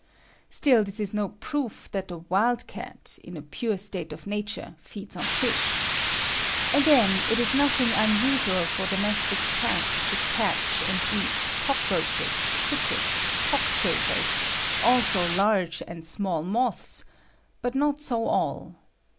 Still this is no proof that the wild cat, in a pure state of nature, feeds on fish. Again, it is nothing unusual for domestic cats to catch and eat cockroaches, crickets, cockchafers, also large and small moths, but not so all.